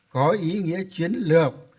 có ý nghĩa chiến lược